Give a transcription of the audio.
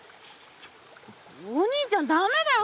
お兄ちゃんだめだよ。